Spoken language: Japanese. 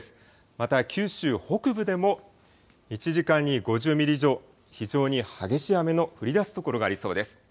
また九州北部でも、１時間に５０ミリ以上、非常に激しい雨の降りだす所がありそうです。